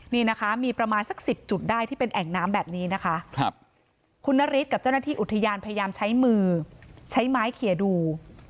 คุณนฤทธิ์กับเจ้าหน้าที่อุทยานพยายามใช้มือใช้ไม้เขียนดู